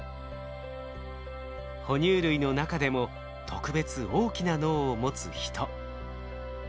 哺乳類の中でも特別大きな脳を持つヒト。